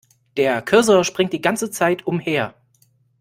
Der Cursor springt die ganze Zeit umher.